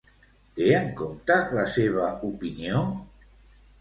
Té en compte la seva opinió?